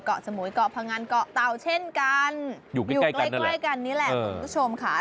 สมุยเกาะพงันเกาะเตาเช่นกันอยู่ใกล้ใกล้กันนี่แหละคุณผู้ชมค่ะ